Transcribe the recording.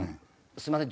すいません